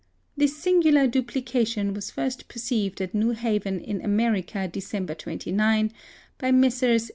This singular duplication was first perceived at New Haven in America, December 29, by Messrs.